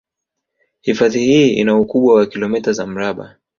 Hifadhi hii ina ukubwa wa kilometa za mraba